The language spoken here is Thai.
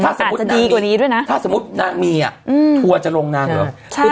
อาจจะดีกว่านี้ด้วยนะถ้าสมมตินางมีถั่วจะลงนางหรือ